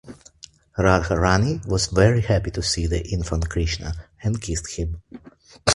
Radha Rani was very happy to see the infant Krishna and kissed him.